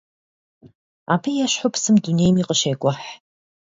Абы ещхьу псым дунейми къыщекӀухь.